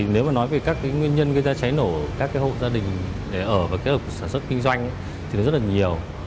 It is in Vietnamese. nếu nói về các nguyên nhân gây ra cháy nổ các hộ gia đình ở và kết hợp sản xuất kinh doanh rất nhiều